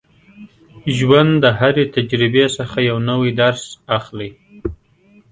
ژوند د هرې تجربې څخه یو نوی درس اخلي.